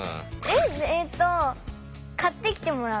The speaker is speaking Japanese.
えっと買ってきてもらう。